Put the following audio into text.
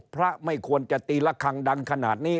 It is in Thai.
ไม่ควรจะตีละครั้งดังขนาดนี้